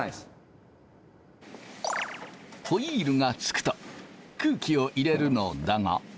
ホイールがつくと空気を入れるのだが。